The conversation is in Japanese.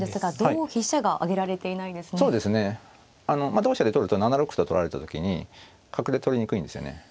同飛車で取ると７六歩と取られた時に角で取りにくいんですよね。